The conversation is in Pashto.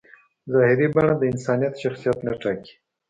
ظاهري بڼه د انسان شخصیت نه ټاکي.